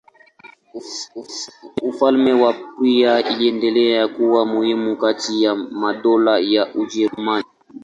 Ufalme wa Prussia uliendelea kuwa muhimu kati ya madola ya Ujerumani.